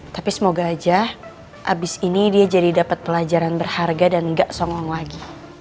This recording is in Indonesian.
tapi semoga aja abis ini dia jadi dapat pelajaran berharga dan gak songong lagi